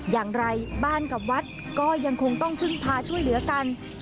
อย่างไรบ้านกับวัดก็ยังคงต้องพึ่งพาช่วยเหลือกัน